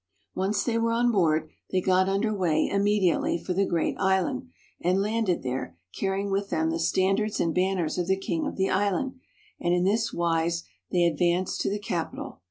Once they were on board, they got under way immedi ately for the great island, and landed there, carrying with them the standards and banners of the king of the island; and in this wise they advanced to the capital.